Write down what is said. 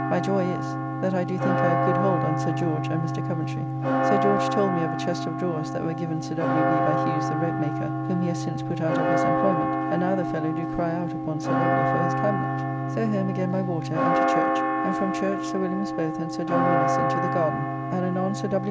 My joy is, that I do think I have good hold on Sir George and Mr. Coventry. Sir George told me of a chest of drawers that were given Sir W. B. by Hughes the rope maker, whom he has since put out of his employment, and now the fellow do cry out upon Sir W. for his cabinet. So home again by water and to church, and from church Sir Williams both and Sir John Minnes into the garden, and anon Sir W.